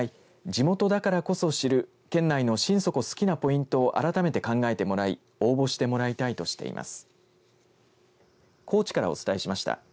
地元だからこそ知る県内の心底好きなポイントを改めて考えてもらい応募してもらいたいとしています。